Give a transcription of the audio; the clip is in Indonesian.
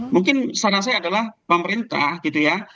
mungkin saran saya adalah pemerintah gitu ya